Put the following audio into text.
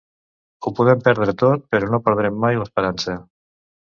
Ho podem perdre tot, però no perdem mai l’esperança.